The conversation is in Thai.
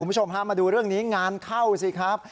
คุณผู้ชมฮะมาดูเรื่องนี้งานเข้าสิครับ